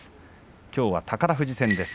きょうは宝富士戦です。